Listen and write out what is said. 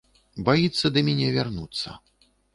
Баіцца да міне вярнуцца.